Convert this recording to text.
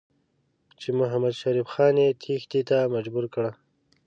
چې محمدشریف خان یې تېښتې ته مجبور کړ.